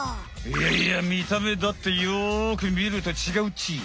いやいや見た目だってよく見ると違うっち。